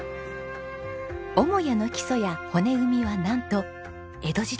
母屋の基礎や骨組みはなんと江戸時代のものです。